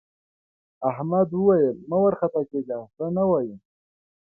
احمد وویل مه وارخطا کېږه څه نه وايي.